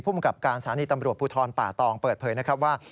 มกับการสถานีตำรวจภูทรป่าตองเปิดเผยนะครับว่า